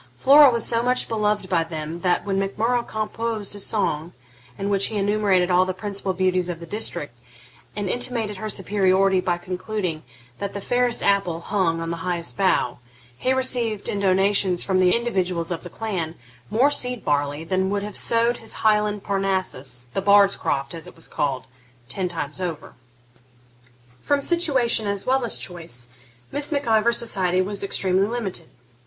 Flora was so much beloved by them that, when Mac Murrough composed a song in which he enumerated all the principal beauties of the district, and intimated her superiority by concluding, that 'the fairest apple hung on the highest bough,' he received, in donatives from the individuals of the clan, more seed barley than would have sowed his Highland Parnassus, the bard's croft, as it was called, ten times over. From situation as well as choice, Miss Mac Ivor's society was extremely limited.